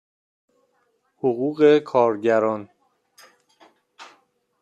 حقوق کارگران